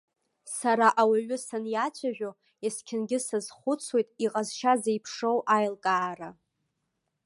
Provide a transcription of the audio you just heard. Сара ауаҩы саниацәажәо есқьынгьы сазхәыцуеит иҟазшьа зеиԥшроу аилкаара.